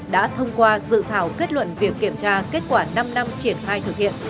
đã thông qua dự thảo kết luận việc kiểm tra kết quả năm năm triển khai thực hiện